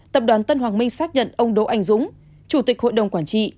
tập đoàn tân hoàng minh xác nhận ông đỗ anh dũng chủ tịch hội đồng quản trị